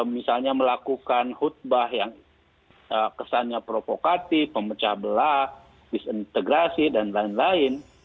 misalnya melakukan khutbah yang kesannya provokatif memecah belah disintegrasi dan lain lain